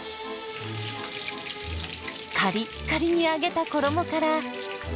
カリッカリに揚げた衣から。